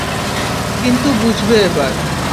কিন্তু বুঝবে এবার।